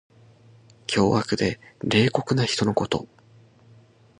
凶悪で冷酷な人のこと。